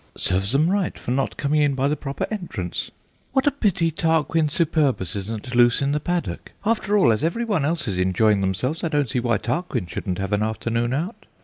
"Serves them right for not coming in by the proper entrance. What a pity Tarquin Superbus isn't loose in the paddock. After all, as every one else is enjoying themselves, I don't see why Tarquin shouldn't have an afternoon out."